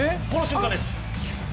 この瞬間です。